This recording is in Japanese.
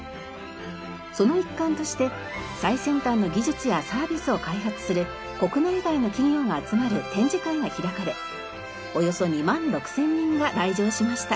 その一環として最先端の技術やサービスを開発する国内外の企業が集まる展示会が開かれおよそ２万６０００人が来場しました。